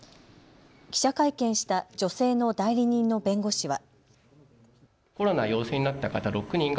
記者会見した女性の代理人の弁護士は。